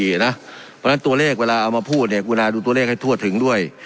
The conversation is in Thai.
เพราะฉะนั้นตัวเลขเวลาเอามาพูดเนี่ยคุณาดูตัวเลขให้ทั่วถึงด้วย